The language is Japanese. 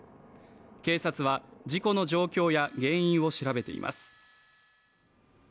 警察は事故の状況や原因を調べています。